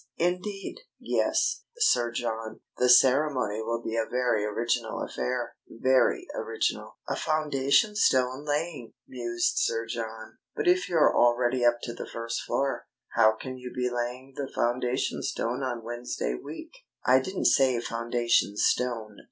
"Indeed!" "Yes, Sir John. The ceremony will be a very original affair very original!" "A foundation stone laying!" mused Sir John. "But if you're already up to the first floor, how can you be laying the foundation stone on Wednesday week?" "I didn't say foundation stone.